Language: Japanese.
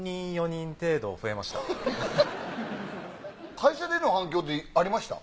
会社での反響ってありました？